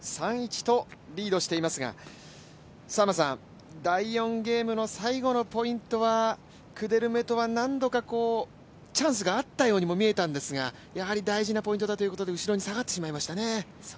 ３−１とリードしていますが、第４ゲームの最後のポイントはクデルメトワ、何度かチャンスがあったようにも見えたんですが、やはり大事なポイントだということで後ろに下がってしまいましたね。